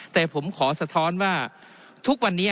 แต่ผมขอสะท้อนว่าทุกวันนี้